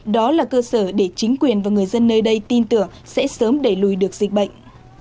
đó là cơ sở để chính quyền và người dân nơi đây tin tưởng sẽ sớm đẩy lùi được dịch bệnh